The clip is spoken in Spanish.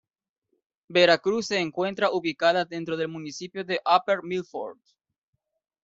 Vera Cruz se encuentra ubicada dentro del municipio de Upper Milford.